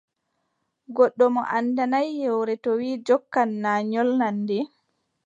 Goɗɗo mo anndanaay yewre, to wii jokkan, na nyolnan nde.